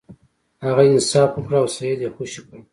هغه انصاف وکړ او سید یې خوشې کړ.